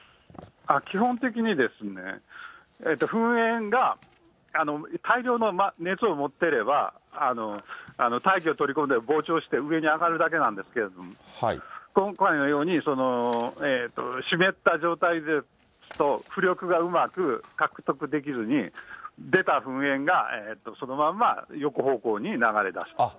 基本的に、噴煙が大量の熱を持ってれば、大気を取り込んで膨張して、上に上がるだけなんですけれども、今回のように湿った状態ですと、浮力がうまく獲得できずに、出た噴煙がそのまま横方向に流れ出すと。